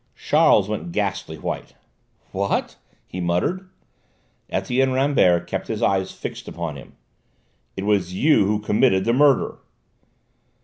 Charles went ghastly white. "What?" he muttered. Etienne Rambert kept his eyes fixed upon him. "It was you who committed the murder!"